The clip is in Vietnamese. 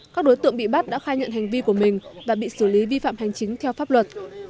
các đối tượng bị bắt đã khai nhận hành vi của mình và bị xử lý vi phạm hành chính theo pháp luật